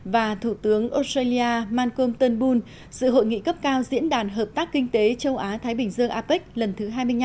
và thủ tướng australia malcolm turnbull sự hội nghị cấp cao diễn đàn hợp tác kinh tế châu á thái bình dương apec lần thứ hai mươi năm